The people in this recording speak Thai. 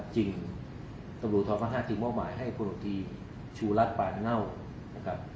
จริงตำรวจท้อมภาค๕ที่มอบหมายให้พนธิธรรมชูรัตน์ปานเง่า